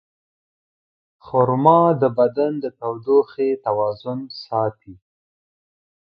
خرما د بدن د تودوخې توازن ساتي.